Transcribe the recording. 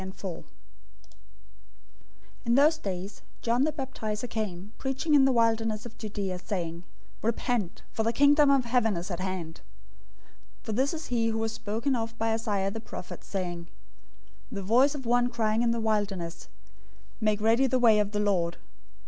003:001 In those days, John the Baptizer came, preaching in the wilderness of Judea, saying, 003:002 "Repent, for the Kingdom of Heaven is at hand!" 003:003 For this is he who was spoken of by Isaiah the prophet, saying, "The voice of one crying in the wilderness, make ready the way of the Lord.